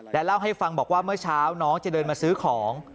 และเล่าให้ฟังบอกว่าเมื่อเช้าน้องจะเดินมาซื้อของ